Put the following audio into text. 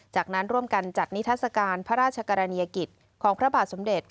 จากนั้นร่วมกันจัดนิทัศกาลพระราชกรณียกิจของพระบาทสมเด็จ